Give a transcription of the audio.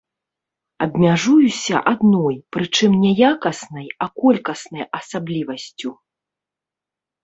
Абмяжуюся адной, прычым не якаснай, а колькаснай асаблівасцю.